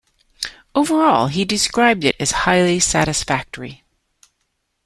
Overall he described it as 'highly satisfactory'.